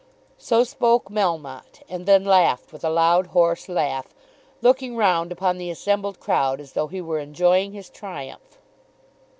So spoke Melmotte, and then laughed with a loud, hoarse laugh, looking round upon the assembled crowd as though he were enjoying his triumph.